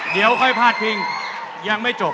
เดี๋ยวค่อยพาดพิงยังไม่จบ